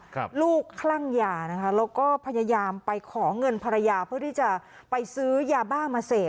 ลูกคลั่งยานะคะแล้วก็พยายามไปขอเงินภรรยาเพื่อที่จะไปซื้อยาบ้ามาเสพ